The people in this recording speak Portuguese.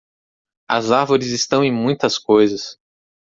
As árvores estão em muitas coisas.